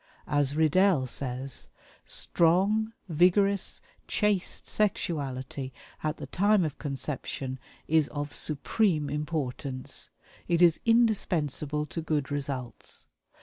As Riddell says: "Strong, vigorous, chaste sexuality at the time of conception is of supreme importance; it is indispensable to good results.